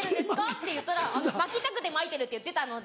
って言ったらまきたくてまいてるって言ってたので。